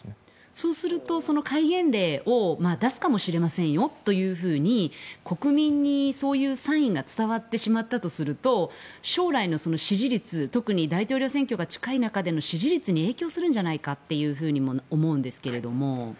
そうすると戒厳令を出すかもしれませんよと国民にそういうサインが伝わってしまったとすると将来の支持率特に大統領選挙が近い中での支持率に影響するんじゃないかと思いますが。